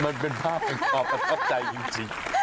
มันเป็นภาพที่ขอประทับใจจริง